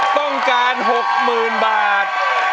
ต้องการ๖๐๐๐๐บาท